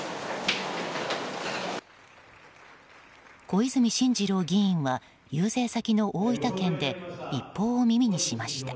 小泉進次郎議員は遊説先の大分県で一報を耳にしました。